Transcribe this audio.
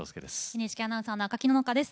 ＮＨＫアナウンサー赤木野々花です。